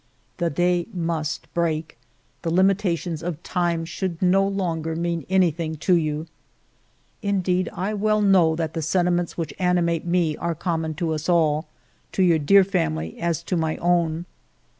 The day must break. The limi tations of time should no longer mean anything to you. 248 FIVE YEARS OF MY LIFE " Indeed, I well know that the sentiments which animate me are common to us all, to your dear family as to my own.